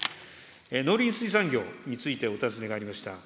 農林水産業についてお尋ねがありました。